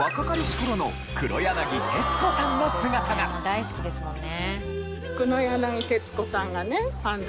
大好きですもんね。